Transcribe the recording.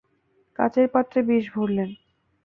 কাচের পাত্রে বিষ ভরলেন।